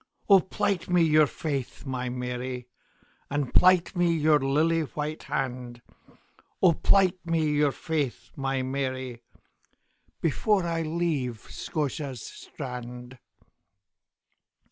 O plight me your faith, my Mary, And plight me your lily white hand;O plight me your faith, my Mary, Before I leave Scotia's strand.